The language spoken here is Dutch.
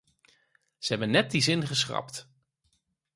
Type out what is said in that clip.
Ze hebben net die zin geschrapt.